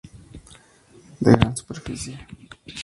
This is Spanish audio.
De gran superficie.